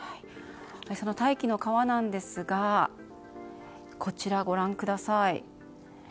その大気の川なんですがこちらご覧ください。